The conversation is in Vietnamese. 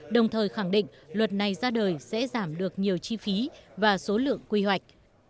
đồng thời khẳng định luật này ra đời sẽ giảm được nhiều chi phí và số lượng quy hoạch